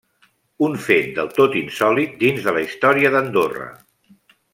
Un fet del tot insòlit dins de la història d'Andorra.